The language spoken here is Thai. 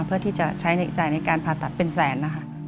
เพื่อที่จะใช้ในจ่ายในการผ่าตัดเป็นแสนนะคะ